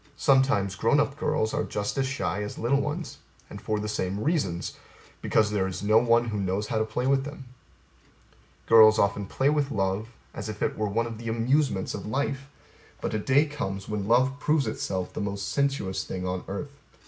Sometimes grown up girls are just as shy as little ones and for the same reasons because there is no one who knows how to play with them. Girls often play with love as if it were one of the amusements of life; but a day comes when love proves itself the most sensuous thing on earth.